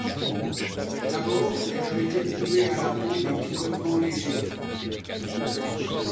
D'abord, elle avait éprouvé à la peau des picotements légers.